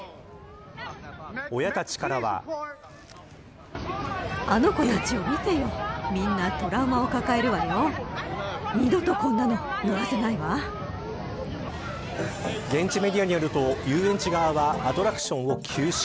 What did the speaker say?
親たちからは現地メディアによると遊園地側はアトラクションを休止。